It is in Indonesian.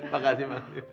makasih pak teo